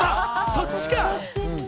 そっちか！